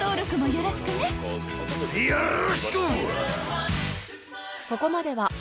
［よろしくー！］